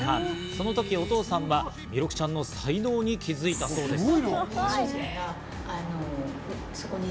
その時お父さんは弥勒ちゃんの才能に気づいたそうです。